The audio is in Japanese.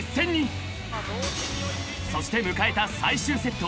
［そして迎えた最終セット］